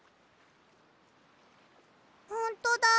ほんとだ。